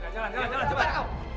jalan jalan jalan cepat